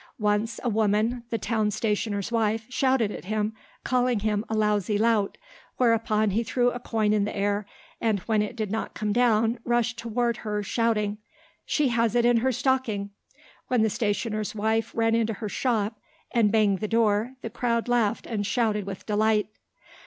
Once, a woman, the town stationer's wife, shouted at him, calling him a lazy lout, whereupon he threw a coin in the air, and when it did not come down rushed toward her shouting, "She has it in her stocking." When the stationer's wife ran into her shop and banged the door the crowd laughed and shouted with delight.